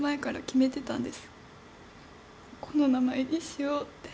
この名前にしようって。